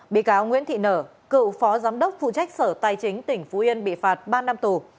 bị cáo nguyễn thị nở cựu phó giám đốc phụ trách sở tài chính tỉnh phú yên bị phạt ba năm tù